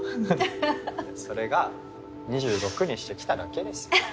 それが２６にして来ただけですよ。ははっ。